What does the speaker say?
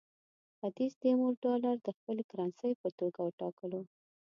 ختیځ تیمور ډالر د خپلې کرنسۍ په توګه وټاکلو.